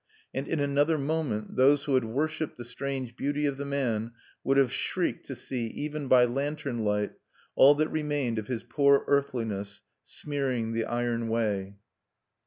And, in another moment, those who had worshiped the strange beauty of the man would have shrieked to see, even by lantern light, all that remained of his poor earthliness, smearing the iron way.